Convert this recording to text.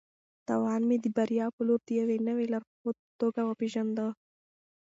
تاوان مې د بریا په لور د یوې نوې لارښود په توګه وپېژانده.